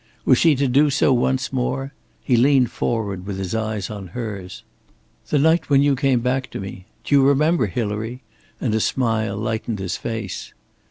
Was she to do so once more? He leaned forward with his eyes on hers. "The night when you came back to me. Do you remember, Hilary?" and a smile lightened his face.